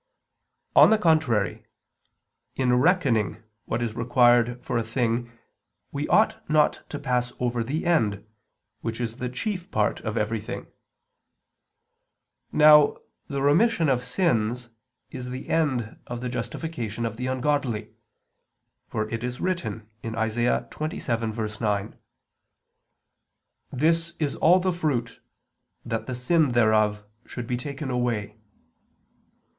On the contrary, In reckoning what is required for a thing we ought not to pass over the end, which is the chief part of everything. Now the remission of sins is the end of the justification of the ungodly; for it is written (Isa. 27:9): "This is all the fruit, that the sin thereof should be taken away."